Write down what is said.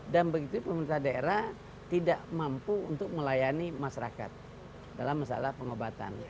dan begitu pemerintah daerah tidak mampu untuk melayani masyarakat dalam masalah pengobatan